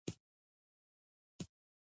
کتل ذهن ته صفا ورکوي